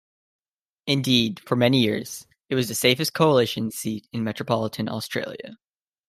Indeed, for many years it was the safest Coalition seat in metropolitan Australia.